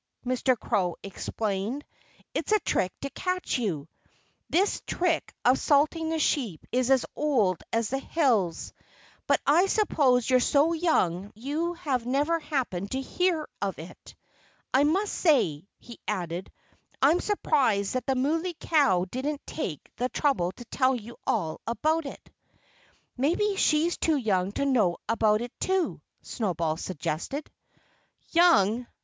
Mr. Crow explained. "It's a trick to catch you. This trick of salting the sheep is as old as the hills. But I suppose you're so young you never have happened to hear of it. I must say," he added, "I'm surprised that the Muley Cow didn't take the trouble to tell you all about it." "Maybe she's too young to know about it, too," Snowball suggested. "Young!"